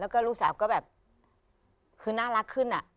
แล้วก็ลูกสาวก็แบบคือน่ารักขึ้นอะ